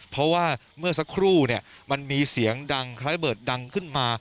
เพราะว่าเมื่อสักครู่มันมีเสียงดังคล้ายระเบิดดังขึ้นมา